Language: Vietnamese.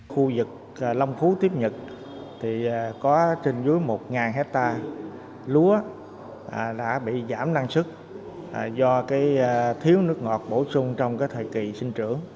khu vực long phú tiếp nhật có trên dưới một hectare lúa đã bị giảm năng sức do thiếu nước ngọt bổ sung trong thời kỳ sinh trưởng